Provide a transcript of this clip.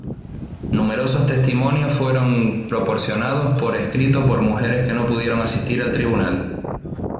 Numerosos testimonios fueron proporcionados por escrito por mujeres que no pudieron asistir al tribunal.